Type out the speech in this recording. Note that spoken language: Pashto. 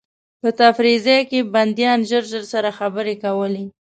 په تفریح ځای کې بندیان ژر ژر سره خبرې کولې.